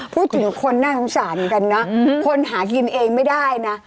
พูดถึงคนน่าสงสารเหมือนกันนะคนหากินเองไม่ได้นะ